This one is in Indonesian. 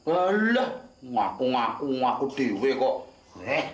alah ngaku ngaku ngaku dewe kok